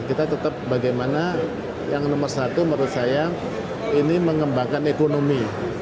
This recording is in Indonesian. kita tetap bagaimana yang nomor satu menurut saya ini mengembangkan ekonomi